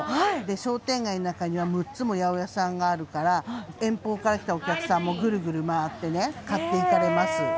商店街の中には６つも八百屋さんがあるから、遠方から来たお客さんもぐるぐる回ってね、買っていかれます。